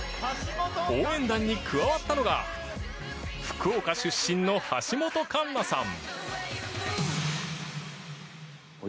応援団に加わったのが福岡出身の橋本環奈さん。